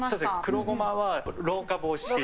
黒ゴマは老化防止